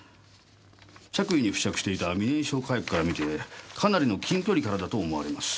着衣に付着していた未燃焼火薬から見てかなりの近距離からだと思われます。